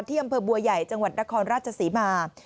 อำเภอบัวใหญ่จังหวัดนครราชศรีมา